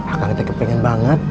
akang kita kepengen banget